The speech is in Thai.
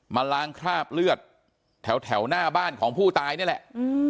มาล้างคราบเลือดแถวหน้าบ้านของผู้ตายนี่แหละ